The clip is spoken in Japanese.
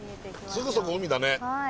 すぐそこ海だね。